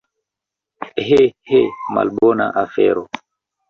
He, he, malbona afero!